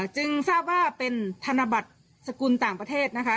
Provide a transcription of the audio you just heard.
จึงทราบว่าเป็นธนบัตรสกุลต่างประเทศนะคะ